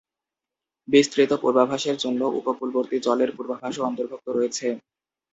বিস্তৃত পূর্বাভাসের মধ্যে উপকূলবর্তী জলের পূর্বাভাসও অন্তর্ভুক্ত রয়েছে।